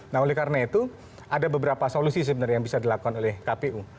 nah oleh karena itu ada beberapa solusi sebenarnya yang bisa dilakukan oleh kpu